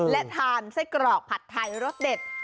และทานไส้กรอกผัดไทยรสเด็ด